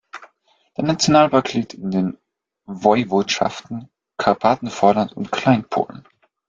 Der Nationalpark liegt in den Woiwodschaften Karpatenvorland und Kleinpolen.